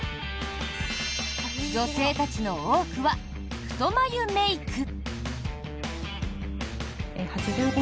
女性たちの多くは太眉メイク。